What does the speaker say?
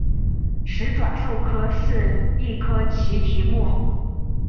始爪兽科是一科奇蹄目。